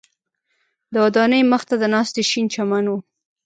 د ودانیو مخ ته د ناستي شین چمن و.